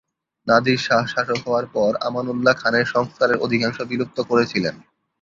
নাদির শাহ শাসক হওয়ার পর আমানউল্লাহ খানের সংস্কারের অধিকাংশ বিলুপ্ত করেছিলেন।